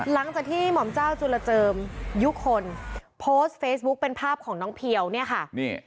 หลังจากที่หม่อมเจ้าจุลเจิมยุคนโพสต์เป็นภาพของเนี้ยค่ะนี่